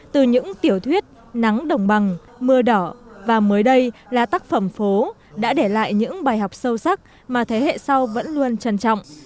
từ những tiểu thuyết nắng đồng bằng mưa đỏ và mới đây là tác phẩm phố đã để lại những bài học sâu sắc mà thế hệ sau vẫn luôn trân trọng